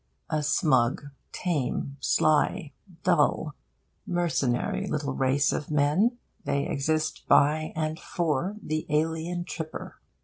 A smug, tame, sly, dull, mercenary little race of men, they exist by and for the alien tripper.